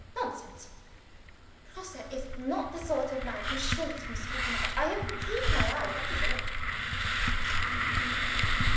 Nonsense! Grosse is not the sort of man who shrinks from speaking out. I have fatigued my eyes that is all.